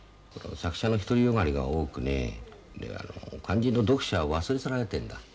作者の独り善がりが多くねであの肝心の読者が忘れ去られてるんだ。